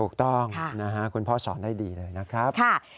ถูกต้องนะฮะคุณพ่อสอนได้ดีเลยนะครับ